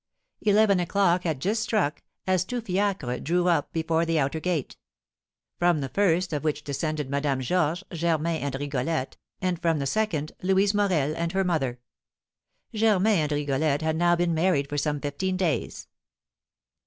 Eleven o'clock had just struck as two fiacres drew up before the outer gate; from the first of which descended Madame Georges, Germain, and Rigolette, and from the second Louise Morel and her mother. Germain and Rigolette had now been married for some fifteen days.